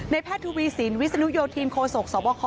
ในแพทย์ทูวีศิลป์วิศนุโยทีมโคโศกสวคคอ